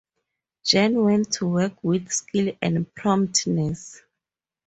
Jen went to work with skill and promptness.